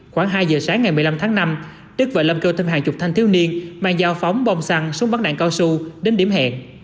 khoảng hai giờ sáng ngày một mươi năm tháng năm đức và lâm cơ thêm hàng chục thanh thiếu niên mang dao phóng bông xăng súng bắn đạn cao su đến điểm hẹn